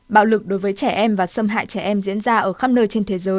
bạo lực đối với trẻ em và xâm hại trẻ em diễn ra ở khắp nước